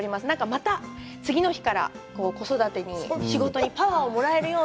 また次の日から子育てに仕事にパワーをもらえるような。